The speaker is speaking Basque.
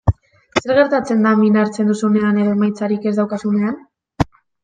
Zer gertatzen da min hartzen duzunean edo emaitzarik ez daukazunean?